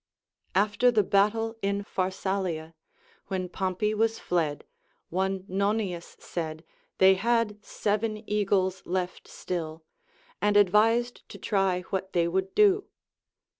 After the battle in Pharsalia, when Pompey Avas fled, one Nonius said they had seven eagles left still, and advised to try what they would do.